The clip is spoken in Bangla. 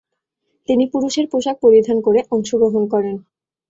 তিনি পুরুষের পোশাক পরিধান করে অংশগ্রহণ করেন।